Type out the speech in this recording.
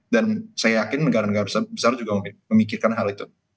dan saya yakin negara negara besar juga memikirkan hal itu